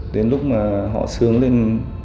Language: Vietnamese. đến lúc mà họ sướng lên